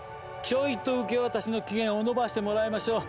ちょいと受け渡しの期限を延ばしてもらいましょう。